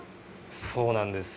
そうなんです。